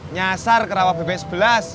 nyasar ke rawa bebek sebelas